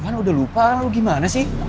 bukan udah lupa lo gimana sih